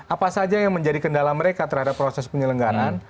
apa saja yang menjadi kendala mereka terhadap proses penyelenggaraan